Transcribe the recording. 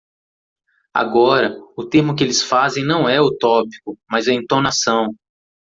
Agora, o termo que eles fazem não é o tópico, mas a "entonação".